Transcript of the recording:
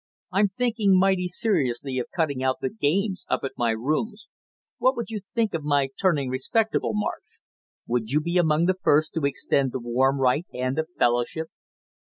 I'm thinking mighty seriously of cutting out the games up at my rooms; what would you think of my turning respectable, Marsh? Would you be among the first to extend the warm right hand of fellowship?"